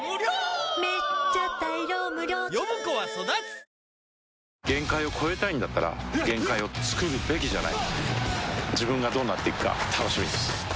続く限界を越えたいんだったら限界をつくるべきじゃない自分がどうなっていくか楽しみです